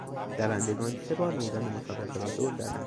دوندگان سه بار میدان مسابقه را دور زدند.